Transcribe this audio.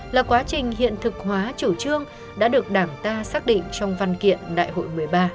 là quá trình hiện thực hóa chủ trương đã được đảng ta xác định trong văn kiện đại hội một mươi ba